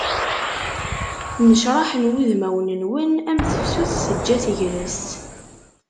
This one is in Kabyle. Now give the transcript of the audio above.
Necraḥen wudmawen-nwen, am tefsut teǧǧa tegrest.